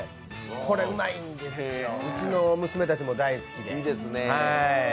これうまいんですよ、うちの娘たちも大好きで。